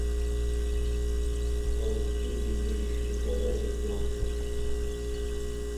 কলেজটি দিল্লি বিশ্ববিদ্যালয়ের একটি অংশ।